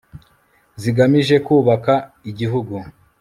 zigamije kubaka igihugu